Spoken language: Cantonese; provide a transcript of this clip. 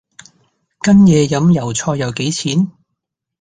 跟野飲油菜又幾錢